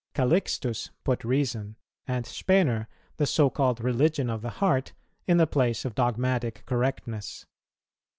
Calixtus put reason, and Spener the so called religion of the heart, in the place of dogmatic correctness.